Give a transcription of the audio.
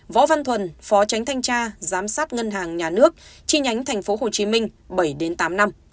võ văn thuần phó tránh thanh tra giám sát ngân hàng nhà nước chi nhánh tp hcm bảy tám năm